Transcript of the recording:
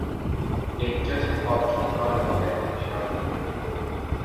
ایک چسپ اور چونکا د والا انکشاف ہے